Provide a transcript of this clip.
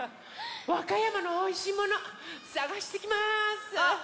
わかやまのおいしいものさがしてきます。